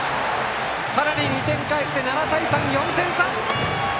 さらに２点返して７対３４点差。